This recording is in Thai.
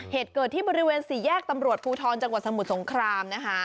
เหตุเกิดที่บริเวณสี่แยกตำรวจภูทรจังหวัดสมุทรสงครามนะคะ